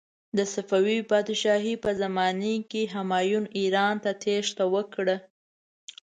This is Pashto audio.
د صفوي پادشاهي په زمانې کې همایون ایران ته تیښته وکړه.